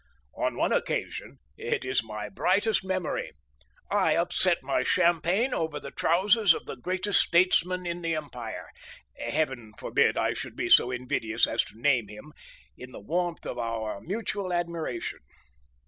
On one occasion—it is my brightest memory—I upset my champagne over the trousers of the greatest statesman in the empire—Heaven forbid I should be so invidious as to name him!—in the warmth of our mutual admiration.